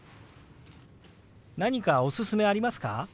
何かおすすめありますか？